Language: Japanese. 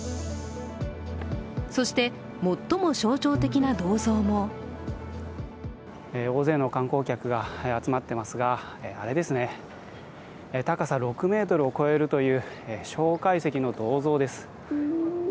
そして、最も象徴的な銅像も大勢の観光客が集まっていますが、あれですね、高さ６ｍを超えるという蒋介石の銅像です。